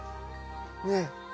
ねえ。